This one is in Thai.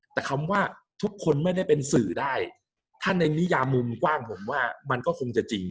แต่คำว่าทุกคนไม่ได้เป็นสื่อได้ถ้าในนิยามุมกว้างผมว่ามันก็คงจะจริง